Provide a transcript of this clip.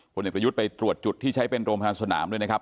เด็กประยุทธ์ไปตรวจจุดที่ใช้เป็นโรงพยาบาลสนามด้วยนะครับ